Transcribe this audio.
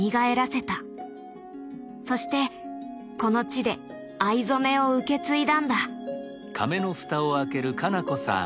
そしてこの地で藍染めを受け継いだんだ。